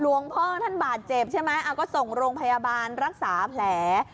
พ่อท่านบาดเจ็บใช่ไหมเอาก็ส่งโรงพยาบาลรักษาแผล